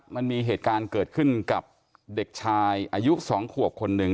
มันมีเหตุการณ์เกิดขึ้นกับเด็กชายอายุ๒ขวบคนหนึ่ง